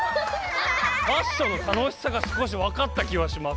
ファッションの楽しさが少しわかった気はします。